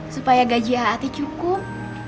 supaya gaji a'ah tuh cukup